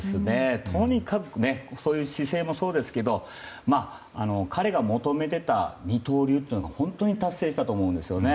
とにかくそういう姿勢もそうですけど彼が求めていた二刀流というのは本当に達成したと思うんですね。